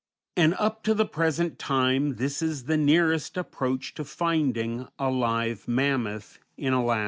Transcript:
And up to the present time this is the nearest approach to finding a live mammoth in Alaska.